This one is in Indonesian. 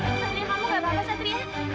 kamu gak apa apa satria